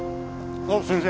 あっ先生。